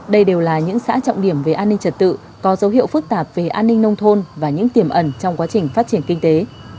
đây đều là những xã trọng điểm về an ninh trật tự có dấu hiệu phức tạp về an ninh nông thôn và những tiềm ẩn trong quá trình phát triển kinh tế